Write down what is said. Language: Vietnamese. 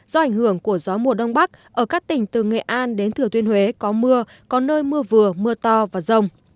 do ảnh hưởng của gió mùa đông bắc ở các tỉnh từ nghệ an đến thừa thiên huế có mưa có nơi mưa vừa mưa to và rông